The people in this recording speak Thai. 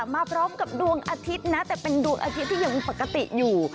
มาพร้อมกับดวงอาทิตย์นะแต่เป็นดวงอาทิตย์ที่ยังปกติอยู่